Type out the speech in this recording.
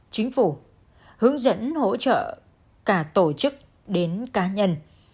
chính phủ hướng dẫn hỗ trợ cả tổ chức đến cá nhân